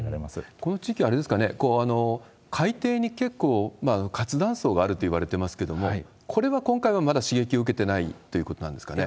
この地域はあれですかね、海底に結構、活断層があるといわれていますけれども、これは今回はまだ刺激を受けてないということなんですかね？